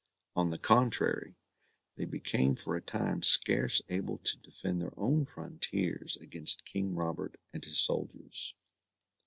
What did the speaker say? On the contrary, they became for a time scarce able to defend their own frontiers against King Robert and his soldiers.